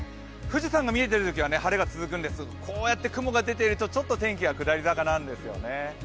富士山が見えているときは晴れが続くんですけどこうやって雲が出ていると天気が下り坂なんですよね。